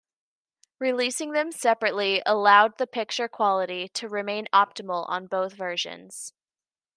Releasing them separately allowed the picture quality to remain optimal on both versions.